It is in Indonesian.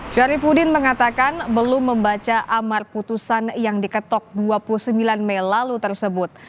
syarifudin mengatakan belum membaca amar putusan yang diketok dua puluh sembilan mei lalu tersebut